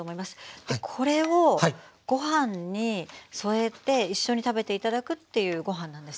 これをご飯に添えて一緒に食べて頂くっていうご飯なんですよ。